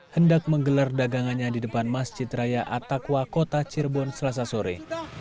hendak menggelar dagangannya di depan masjid raya atakwa kota cirebon selasa sore